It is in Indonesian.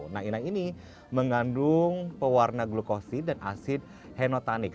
nah inai ini mengandung pewarna glukosid dan asid henotanik